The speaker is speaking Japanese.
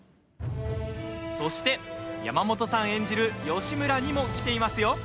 そして山本さん演じる義村にも来ていますよ！